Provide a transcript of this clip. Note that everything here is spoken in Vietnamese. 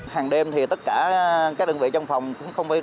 hàng đêm thì tất cả các đơn vị trong phòng cũng không